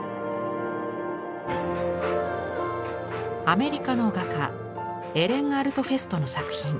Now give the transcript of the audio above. アメリカの画家エレン・アルトフェストの作品。